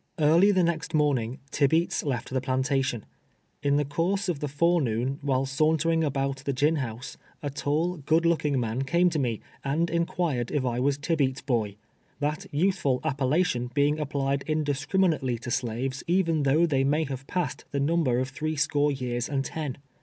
Early the next morning, Tibeats left the plantation. In the course of the forenoon, while sauntering alxHit the gin house, a tall, good looking man came to me, and inquired if I was Tibeats' boy, that youthful ap pellation being applied iuliscriminately to slaves even though they may have passed the number of three score years and ten.